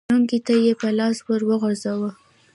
لونګۍ ته يې لاس ور وغځاوه.